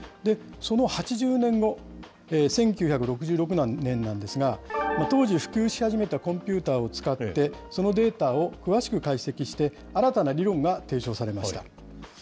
その８０年後、１９６６年なんですが、当時、普及し始めたコンピューターを使って、そのデータを詳しく解析して、新たな理論が提唱されました。